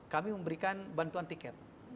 kami memberikan bantuan tiket